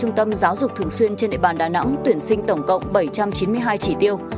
trường thái phiên tám trăm tám mươi chỉ tiêu thường xuyên trên đại bàn đà nẵng tuyển sinh tổng cộng bảy trăm chín mươi hai chỉ tiêu